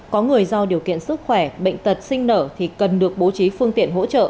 có người do điều kiện sức khỏe bệnh tật sinh nở thì cần được bố trí phương tiện hỗ trợ